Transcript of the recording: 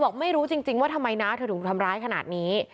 บอกไม่รู้จริงว่าทำไมน้าเธอถูกทำร้ายขนาดนี้